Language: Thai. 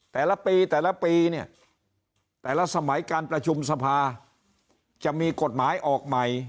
แต่ละปีแต่ละปีเนี่ยแต่ละสมัยการประชุมสภาจะมีกฎหมายออกใหม่